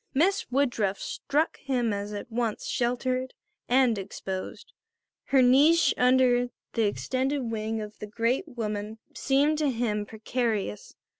Miss Woodruff struck him as at once sheltered and exposed. Her niche under the extended wing of the great woman seemed to him precarious.